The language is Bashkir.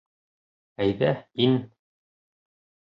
Әйҙә, ин!